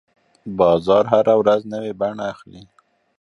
بازار هره ورځ نوې بڼه اخلي.